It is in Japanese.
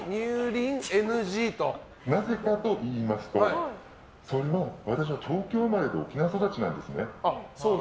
なぜかといいますとそれは私は東京生まれで沖縄育ちなんですね。